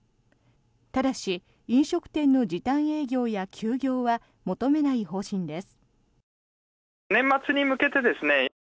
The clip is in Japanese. ただし飲食店の時短営業や休業は求めない方針です。